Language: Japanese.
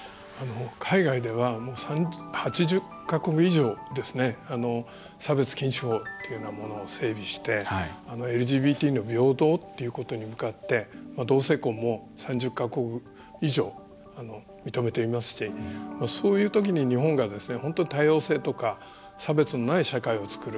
海外では、８０か国以上差別禁止法というものを整備してＬＧＢＴの平等ということに向かって同性婚も、３０か国以上認めていますしそういうときに日本が本当に多様性とか差別のない社会を作る。